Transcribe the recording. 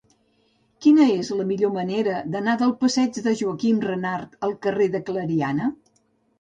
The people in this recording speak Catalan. Quina és la millor manera d'anar del passeig de Joaquim Renart al carrer de Clariana?